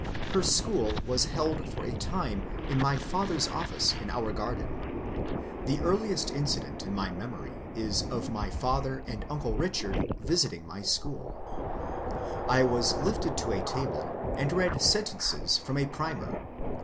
Her school was held for a time in my father's office in our garden. The CONWAY HOUSE 11 earliest incident in my memory is of my father and uncle Bichard visiting the sdiooL I was lifted to a table and read sentences from a primer.